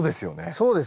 そうです。